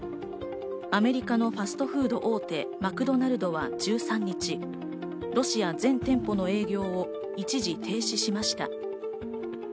アメリカのファストフード大手マクドナルドは１３日、ロシア全店舗の営業を一時停止しました。